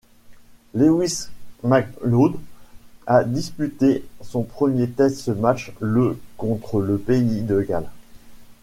Lewis Macleod a disputé son premier test match le contre le pays de Galles.